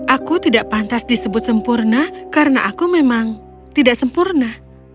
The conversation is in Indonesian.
aku tidak pantas disebut sempurna karena aku memang tidak sempurna